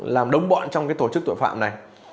làm đống bọn trong tổ chức tội phạm này